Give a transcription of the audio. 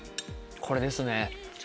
これですね。